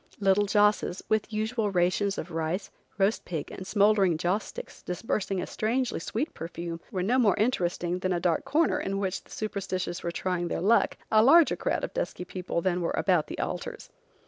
Little josses, with usual rations of rice, roast pig and smouldering joss sticks disbursing a strangely sweet perfume, were no more interesting than a dark corner in which the superstitious were trying their luck, a larger crowd of dusky people than were about the altars.